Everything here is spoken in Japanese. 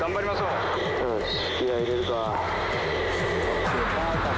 よし。